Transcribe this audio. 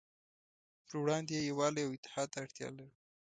پروړاندې یې يووالي او اتحاد ته اړتیا لرو.